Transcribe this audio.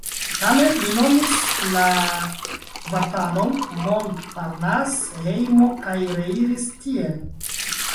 Tamen, li nomis la kvartalon Montparnasse hejmo kaj reiris tien.